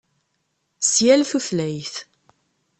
S yal tutlayt.